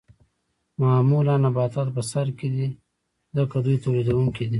معمولاً نباتات په سر کې دي ځکه دوی تولیدونکي دي